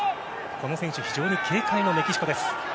この選手に非常に警戒のメキシコです。